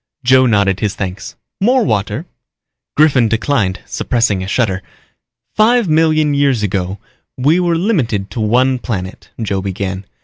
Joe nodded his thanks. "More water?" Griffin declined, suppressing a shudder. "Five million years ago we were limited to one planet," Joe began.